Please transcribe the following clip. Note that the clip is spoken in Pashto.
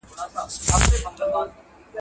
بايد د خلګو کلتوري اسانتياوو ته پاملرنه وسي.